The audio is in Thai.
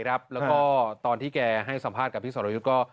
แล้วก็ตอนที่แกให้สัมภาษณ์กับพี่สรยุทธ์ก็